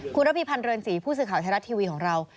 คุณระพีพันธ์เรือนศรีผู้สื่อข่าวไทยรัฐทีวีของเรา